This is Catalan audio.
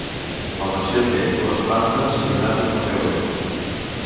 La mansió té dues plantes i un àtic amb gablet.